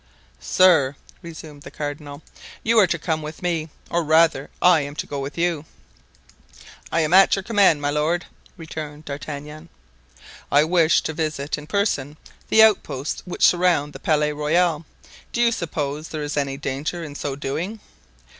"Sir," resumed the cardinal, "you are to come with me, or rather, I am to go with you." "I am at your command, my lord," returned D'Artagnan. "I wish to visit in person the outposts which surround the Palais Royal; do you suppose that there is any danger in so doing?"